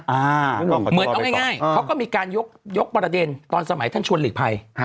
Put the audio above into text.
เหมือนเอาง่ายเขาก็มีการยกประเด็นตอนสมัยท่านชวนหลีกภัย